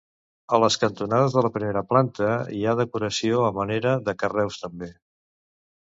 A les cantonades de la primera planta hi ha decoració a manera de carreus també.